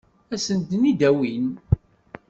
Ad sen-ten-id-awin?